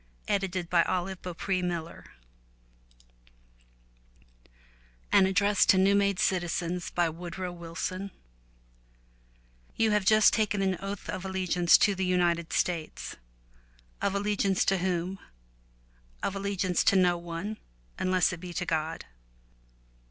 216 FROM THE TOWER WINDOW An Address to New Made Citizens WOODROW WILSON You have just taken an oath of allegiance to the United States. Of allegiance to whom? Of allegiance to no one, unless it be to God.